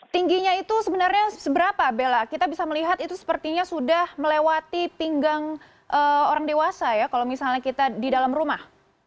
tingginya itu sebenarnya seberapa bella kita bisa melihat itu sepertinya sudah melewati pinggang orang dewasa ya kalau misalnya kita di dalam rumah